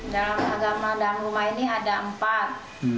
dalam agama dalam rumah ini ada empat